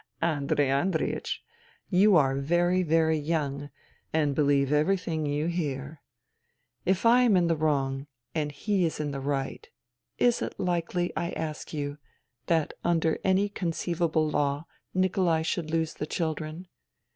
" Andrei Andreiech, you are very, very young, and believe everything you hear. If I am in the wrong and he is in the right, is it likely, I ask you, that under any conceivable law Nikolai should lose the children